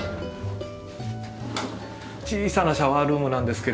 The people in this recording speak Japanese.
小さなシャワールームなんですけれども。